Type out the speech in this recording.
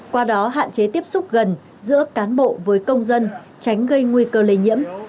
qua đó hạn chế tiếp xúc gần giữa cán bộ với công dân tránh gây nguy cơ lây nhiễm